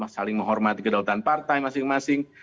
saling menghormati kedaulatan partai masing masing